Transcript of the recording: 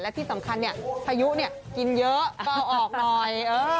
และที่สำคัญเนี่ยพะยุเนี่ยกินเยอะก็เอาออกหน่อยเออ